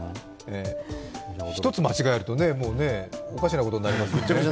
一つ間違えると、もうおかしなことになりますよね。